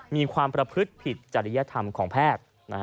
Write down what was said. มีความประพฤติผิดจริยธรรมของแพทย์